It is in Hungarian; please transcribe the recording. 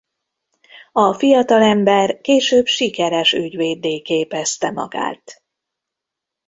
A fiatalember később sikeres ügyvéddé képezte magát.